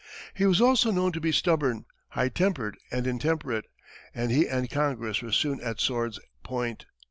He was also known to be stubborn, high tempered and intemperate, and he and Congress were soon at sword's point.